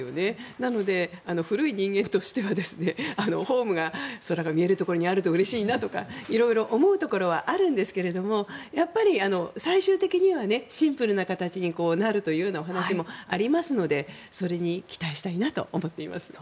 なので、古い人間としてはホームが空が見えるところにあるとうれしいなとか色々思うところはあるんですけどやっぱり最終的にはシンプルな形になるという話もありますのでそれに期待したいなと思っています。